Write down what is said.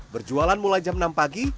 berjualan mulai jam enam pagi